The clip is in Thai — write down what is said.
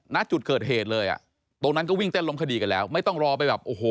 ณจุดเกิดเหตุเลยอ่ะตรงนั้นก็วิ่งเต้นล้มคดีกันแล้วไม่ต้องรอไปแบบโอ้โห